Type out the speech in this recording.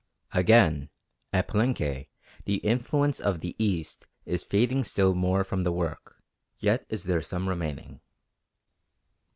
Again, at Palenque the influence of the East is fading still more from the work; yet is there some remaining.